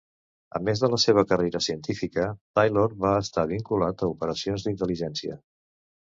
A més de la seva carrera científica, Taylor va estar vinculat a operacions d'intel·ligència.